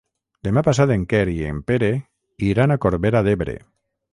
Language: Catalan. Demà passat en Quer i en Pere iran a Corbera d'Ebre.